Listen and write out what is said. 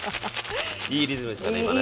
いいリズムでしたね今ね。